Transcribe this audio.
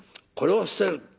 これを捨てる。